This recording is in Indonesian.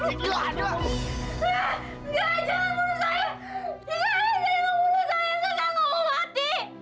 jangan bunuh saya saya gak mau mati